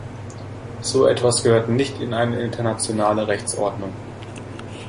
So etwas gehört nicht in eine internationale Rechtsordnung!